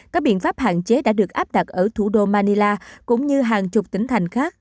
các biện pháp hạn chế đã được áp đặt ở thủ đô manila cũng như hàng chục tỉnh thành khác